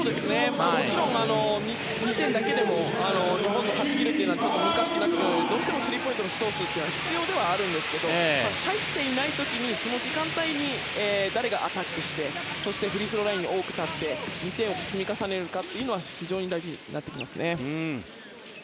もちろん、２点だけでも日本が勝ち切るのはちょっと難しくなるのでどうしてもスリーポイントの試投数は必要ではありますが入っていない時間帯に誰がアタックしてフリースローラインに多く立って２点を積み重ねるかは非常に大事になってきます。